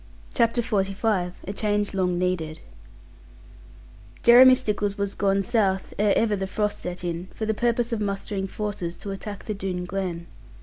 CHAPTER XLV A CHANGE LONG NEEDED Jeremy Stickles was gone south, ere ever the frost set in, for the purpose of mustering forces to attack the Doone Glen.